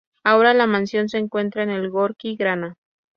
Ahora la "mansión" se encuentra en el Gorki Grana.